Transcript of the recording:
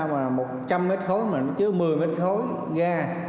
mà một trăm linh m khối mà nó chứa một mươi m khối ga